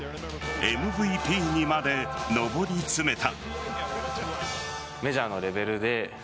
ＭＶＰにまで上り詰めた。